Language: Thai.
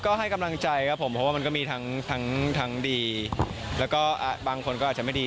ก็ให้กำลังใจครับผมเพราะว่ามันก็มีทั้งดีแล้วก็บางคนก็อาจจะไม่ดี